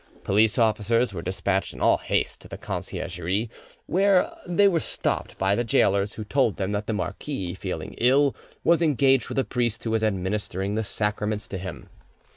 Police officers were despatched in all haste to the Conciergerie; they were stopped by the gaolers, who told them that the marquis, feeling ill, was engaged with a priest who was administering the sacraments, to him.